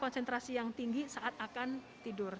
konsentrasi yang tinggi saat akan tidur